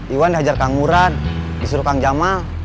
iwan dihajar kang ngurat disuruh kang jamal